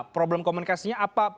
problem komunikasinya apa